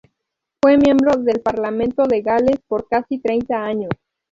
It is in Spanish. Fue miembro del Parlamento de Gales por casi treinta años.